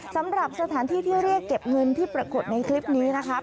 สำหรับสถานที่ที่เรียกเก็บเงินที่ปรากฏในคลิปนี้นะคะ